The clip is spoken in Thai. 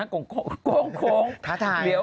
โกงโคมท้าทาย